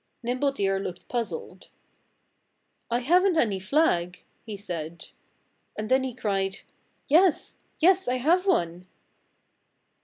Nimble Deer looked puzzled. "I haven't any flag," he said. And then he cried, "Yes! Yes, I have one!"